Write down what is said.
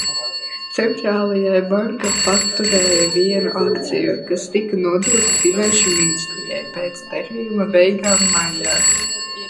Centrālajai banka paturēja vienu akciju, kas tika nodota Finanšu ministrijai pēc darījuma beigām maijā.